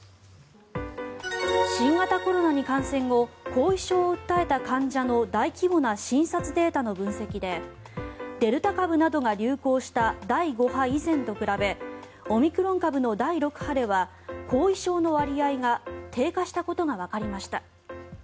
新型コロナに感染後後遺症を訴えた患者の大規模な診察データの分析でデルタ株などが流行した第５波以前と比べオミクロン株の第６波では後遺症の割合が低下したことがわかりました。